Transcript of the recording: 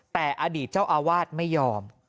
แต่อดีตเจ้าอาวาสไม่ยอม